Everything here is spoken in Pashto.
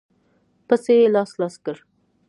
پسه يې لاس لاس کړ.